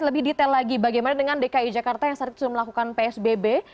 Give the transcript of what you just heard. lebih detail lagi bagaimana dengan dki jakarta yang saat itu sudah melakukan psbb